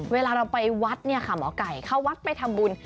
เวลาเราไปวัดเนี่ยค่ะหมอไก่เข้าวัดไปทำบุญ